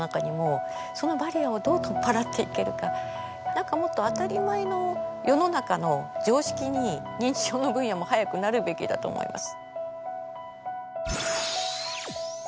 何かもっと当たり前の世の中の常識に認知症の分野も早くなるべきだと思います。